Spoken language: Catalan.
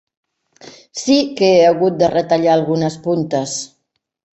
Sí que he hagut de retallar algunes puntes.